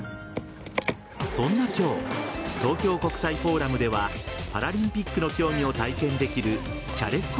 そんな今日東京国際フォーラムではパラリンピックの競技を体験できるチャレスポ！